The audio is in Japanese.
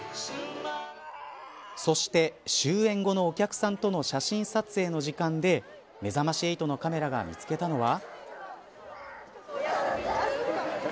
そして、終演後のお客さんとの写真撮影の時間でめざまし８のカメラが見つけたのは。